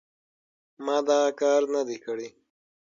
ما دا کار نه دی کړی.